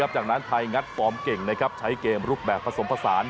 จากนั้นไทยงัดฟอร์มเก่งใช้เกมรูปแบบผสมผสาน